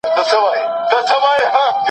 تاسي د خپل کلتور ساتندوی یاست.